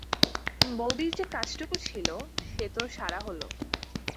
বউদির যে কাজটুকু ছিল, সে তো সারা হল।